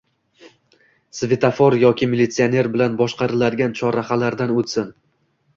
Svetofor yoki militsioner bilan boshqariladigan chorrahalardan o'tsin.